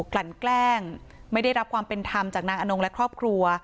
ลั่นแกล้งไม่ได้รับความเป็นธรรมจากนางอนงและครอบครัว